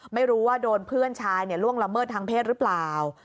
ไม่รู้ว่าโดนเพื่อนชายล่วงละเมิดทางเพศหรือเปล่า